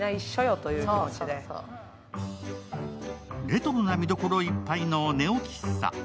レトロな見どころいっぱいのネオ喫茶。